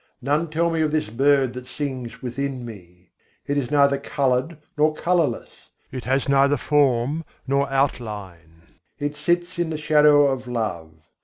None tell me of this bird that sings within me. It is neither coloured nor colourless: it has neither form nor outline: It sits in the shadow of love.